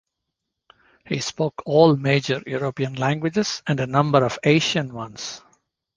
He spoke all major European languages and a number of Asian ones.